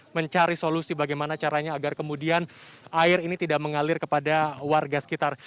mencari solusi bagaimana caranya agar kemudian air ini tidak mengalir kepada warga sekitar